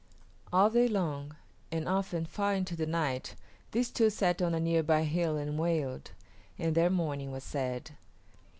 All day long, and often far into the night, these two sat on a near by hill and wailed, and their mourning was sad.